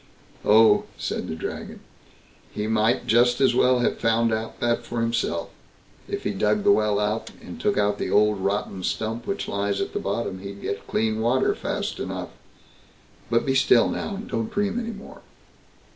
"Oh", said the Dragon, "he might just as well have found that out for himself. If he dug the well out, and took out the old rotten stump which lies at the bottom, he'd get clean water, fast enough. But be still now, and don't dream any more."